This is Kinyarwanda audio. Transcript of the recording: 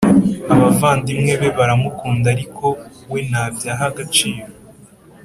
Abavandimwe be baramukunda ariko we ntabyo aha agaciro